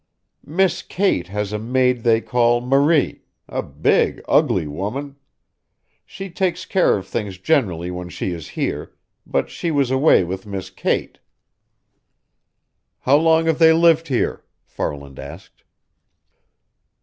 Miss Kate has a maid they call Marie a big, ugly woman. She takes care of things generally when she is here, but she was away with Miss Kate." "How long have they lived here?" Farland asked.